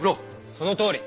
そのとおり！